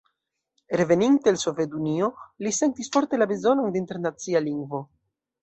Reveninte el Sovetunio, li sentis forte la bezonon de internacia lingvo.